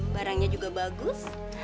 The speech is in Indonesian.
barangnya juga bagus